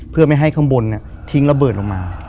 เพื่อไม่ให้ข้างบนทิ้งระเบิดลงมา